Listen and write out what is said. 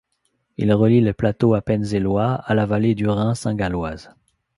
Il relie le plateau appenzellois à la vallée du Rhin saint-galloise.